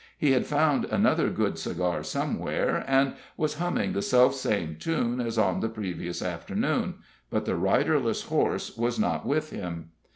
He had found another good cigar somewhere, and was humming the selfsame tune as on the previous afternoon; but the riderless horse was not with him.